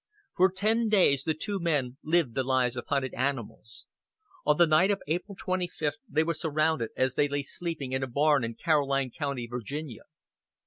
For ten days the two men lived the lives of hunted animals. On the night of April 25 they were surrounded as they lay sleeping in a barn in Caroline County, Virginia.